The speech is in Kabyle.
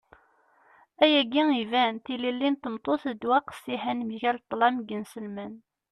ayagi iban. tilelli n tmeṭṭut d ddwa qqessiḥen mgal ṭṭlam n yinselmen